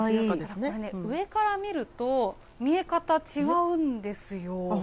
上から見ると、見え方、違うんですよ。